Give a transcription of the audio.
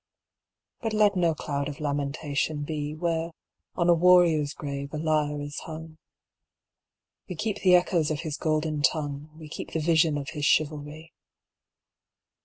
But let no cloud of lamentation be Where, on a warrior's grave, a lyre is hung. We keep the echoes of his golden tongue, We keep the vision of his chivalry.